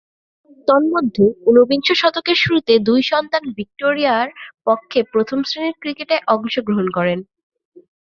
তন্মধ্যে ঊনবিংশ শতকের শুরুতে দুই সন্তান ভিক্টোরিয়ার পক্ষে প্রথম-শ্রেণীর ক্রিকেটে অংশগ্রহণ করেন।